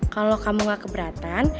kalo kamu gak keberatan